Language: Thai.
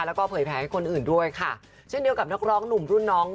แล้วก็เผยแผลให้คนอื่นด้วยค่ะเช่นเดียวกับนักร้องหนุ่มรุ่นน้อง